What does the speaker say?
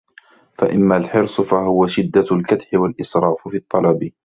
فَأَمَّا الْحِرْصُ فَهُوَ شِدَّةُ الْكَدْحِ وَالْإِسْرَافِ فِي الطَّلَبِ